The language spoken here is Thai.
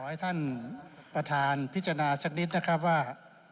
ให้ท่านประธานพิจารณาสักนิดนะครับว่า